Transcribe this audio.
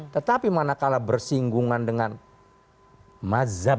tetapi mana kalah bersinggungan dengan mazhab